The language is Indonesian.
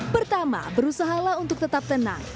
pertama berusahalah untuk tetap tenang